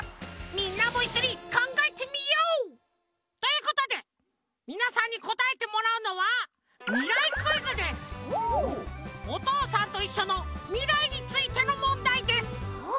みんなもいっしょにかんがえてみよう！ということでみなさんにこたえてもらうのは「おとうさんといっしょ」のみらいについてのもんだいです。